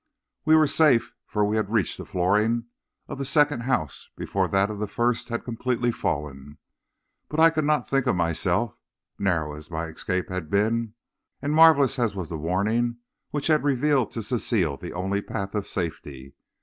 "We were safe, for we had reached the flooring of the second house before that of the first had completely fallen, but I could not think of myself, narrow as my escape had been, and marvelous as was the warning which had revealed to Cecile the only path of safety.